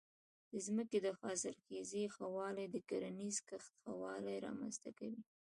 د ځمکې د حاصلخېزۍ ښه والی د کرنیزې کښت ښه والی رامنځته کوي.